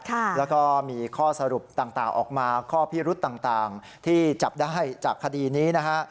แล้วก็มีข้อสรุปต่างออกมาข้อพิรุษต่างที่จับได้จากคดีนี้นะฮะ